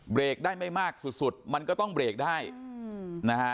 กได้ไม่มากสุดสุดมันก็ต้องเบรกได้นะฮะ